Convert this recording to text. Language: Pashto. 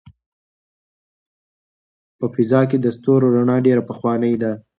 په فضا کې د ستورو رڼا ډېره پخوانۍ ده.